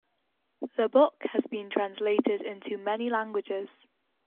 The book has been translated into many languages.